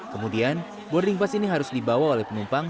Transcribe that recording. kemudian boarding pass ini harus dibawa oleh penumpang